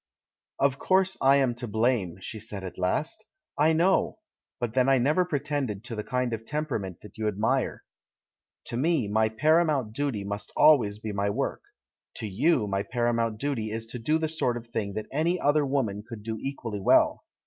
"Of course I am to blame," she said at last. 166 THE MAN WHO UNDERSTOOD WOMEN "I know. But then I never pretended to the kind of temperament that you admire. To me, my paramount duty must always be my work; to you, my paramount duty is to do the sort of thing that any other woman could do equally well.